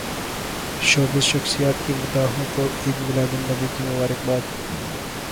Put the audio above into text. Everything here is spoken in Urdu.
شوبز شخصیات کی مداحوں کو عید میلاد النبی کی مبارکباد